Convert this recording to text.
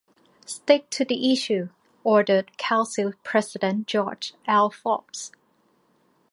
"Stick to the issue," ordered Council President George L. Forbes.